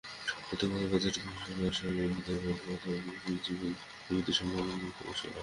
প্রতিবছর বাজেট ঘোষণার সময় বিদায়ী অর্থবছরের জিডিপি প্রবৃদ্ধির সাময়িক প্রাক্কলন প্রকাশ করা হয়।